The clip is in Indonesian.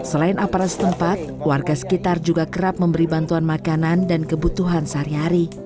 selain aparat setempat warga sekitar juga kerap memberi bantuan makanan dan kebutuhan sehari hari